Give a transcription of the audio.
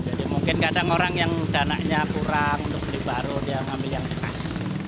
jadi mungkin kadang orang yang dana nya kurang untuk beli baru dia ngambil yang bekas